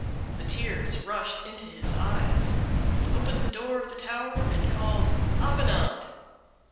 The tears rushed into his eyes; he opened the door of the tower, and called: "Avenant!"